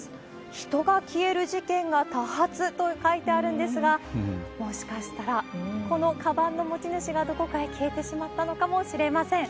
人が消える事件が多発と書いてあるんですが、もしかしたらこのかばんの持ち主がどこかへ消えてしまったのかもしれません。